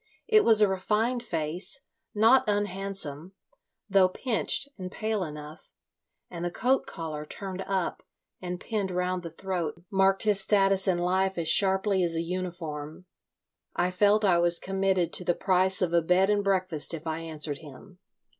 It was a refined face, not unhandsome, though pinched and pale enough, and the coat collar turned up and pinned round the throat marked his status in life as sharply as a uniform. I felt I was committed to the price of a bed and breakfast if I answered him.